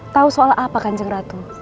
tahu soal apa kanjeng ratu